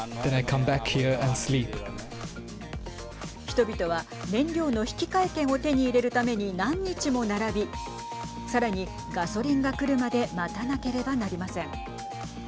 人々は燃料の引換券を手に入れるために何日も並びさらにガソリンが来るまで待たなければなりません。